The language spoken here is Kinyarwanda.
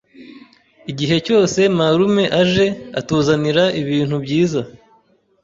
Igihe cyose marume aje, atuzanira ibintu byiza.